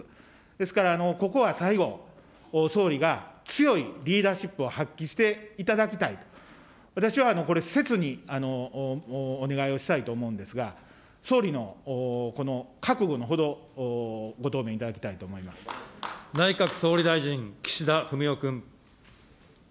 ですから、ここは最後、総理が強いリーダーシップを発揮していただきたい、私はこれ、せつにお願いをしたいと思うんですが、総理のこの覚悟のほど、内閣総理大臣、岸田文雄君。